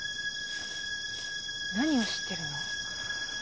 何を知ってるの？